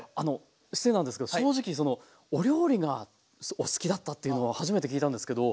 失礼なんですけど正直そのお料理がお好きだったっていうのは初めて聞いたんですけど。